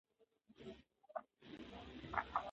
زموږ یوې خورا قوي نظریې ته اړتیا ده چې د تحول اساس کېښودل سي.